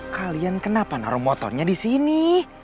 kalian kenapa naruh motornya di sini